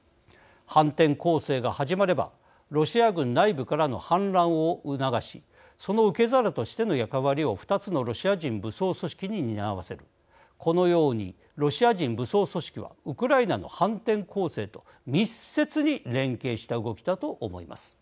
反転攻勢が始まればロシア軍内部からの反乱を促しその受け皿としての役割を２つのロシア人武装組織に担わせるこのようにロシア人武装組織はウクライナの反転攻勢と密接に連携した動きだと思います。